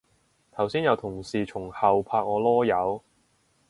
頭先有同事從後拍我籮柚